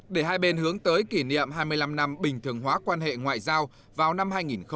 để hai bên hướng tới kỷ niệm hai mươi năm năm bình thường hóa quan hệ ngoại giao vào năm hai nghìn hai mươi